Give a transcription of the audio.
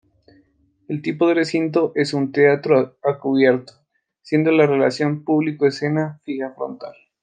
El tipo de recinto es teatro a cubierto, siendo la relación público-escena fija frontal.